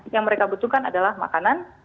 yang mereka butuhkan adalah makanan